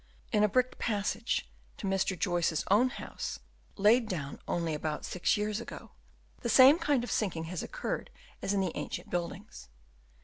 In a bricked passage to Mr. Joyce's own house, laid down only about six years ago, the same kind of sinking has occurred as in the ancient buildings.